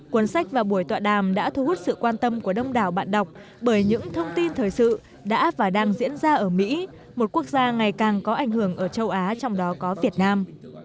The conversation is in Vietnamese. cuốn sách và buổi tọa đàm đã thu hút sự quan tâm của đông đảo bạn đọc bởi những thông tin thời sự đã và đang diễn ra ở mỹ một quốc gia ngày càng có ảnh hưởng ở châu á trong đó có việt nam